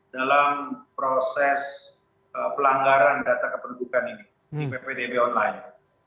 dalam proses pelanggaran data kependudukan ini di ppdb online